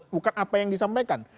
bukan apa yang disampaikan